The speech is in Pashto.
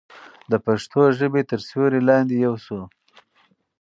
د پښتو ژبې تر سیوري لاندې یو شو.